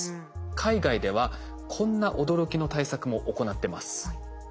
海外ではこんな驚きの対策も行ってます。